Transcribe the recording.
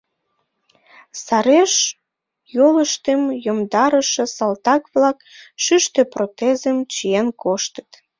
Сареш йолыштым йомдарыше салтак-влак шӱштӧ протезым чиен коштыт.